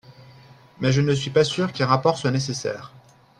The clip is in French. Mais je ne suis pas sûr qu’un rapport soit nécessaire.